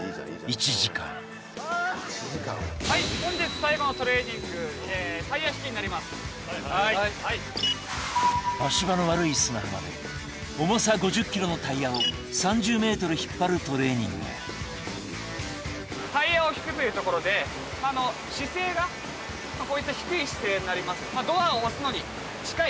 １時間はい足場の悪い砂浜で重さ５０ｋｇのタイヤを３０ｍ引っ張るトレーニングタイヤを引くというところで姿勢がこういった低い姿勢になります